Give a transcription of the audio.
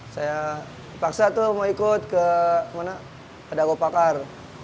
saya paksa tuh mau ikut ke dagopakar